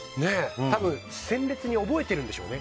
鮮烈に覚えてるんでしょうね